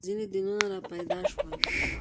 • ځینې دینونه راپیدا شول.